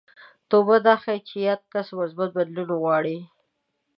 توبه دا ښيي چې یاد کس مثبت بدلون غواړي